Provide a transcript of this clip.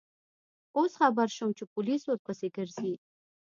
اوس خبر شوم چې پولیس ورپسې گرځي.